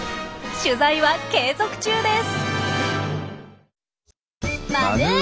取材は継続中です！